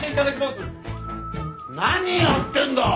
何やってんだ！